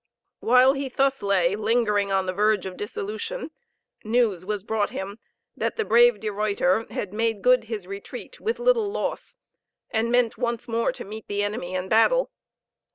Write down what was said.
While he thus lay, lingering on the verge of dissolution, news was brought him that the brave De Ruyter had made good his retreat with little loss, and meant once more to meet the enemy in battle.